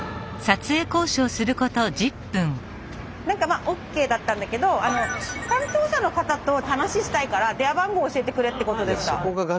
何かまあＯＫだったんだけど担当者の方と話したいから電話番号教えてくれってことでした。